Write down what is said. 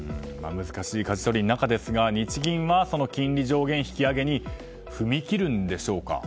難しいかじ取りの中ですが日銀は、金利上限引き上げに踏み切るんでしょうか。